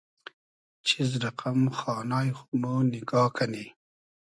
چیز رئقئم خانای خو مۉ نیگا کئنی